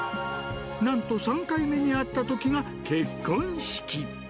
なんと３回目に会ったときが結婚式。